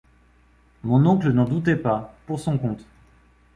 Mon oncle n’en doutait pas, pour son compte.